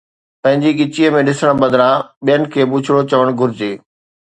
پنهنجي ڳچيءَ ۾ ڏسڻ بدران ٻين کي بڇڙو چوڻ گهرجي